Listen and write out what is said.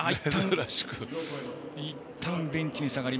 いったんベンチに下がる。